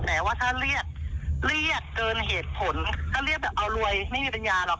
แต่ว่าถ้าเรียกเกินเหตุผลก็เรียกแบบเอารวยไม่มีเป็นยาหรอกค่ะ